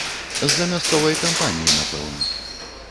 З-за мясцовай кампаніі, напэўна.